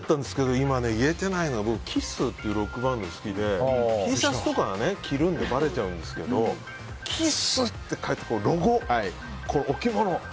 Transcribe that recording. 今、言えてないのはＫＩＳＳっていうロックバンドが好きでＴシャツとか着るんでばれちゃうんですけどＫＩＳＳって書いたロゴの置き物。